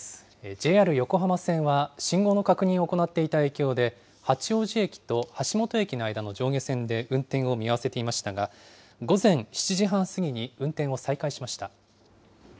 ＪＲ横浜線は信号の確認を行っていた影響で、八王子駅と橋本駅の間の上下線で運転を見合わせていましたが、午前７時半過ぎに運転を再開しました。